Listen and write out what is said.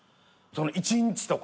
一日とか。